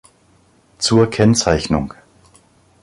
Zur Kennzeichnung.